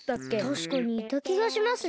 たしかにいたきがしますね。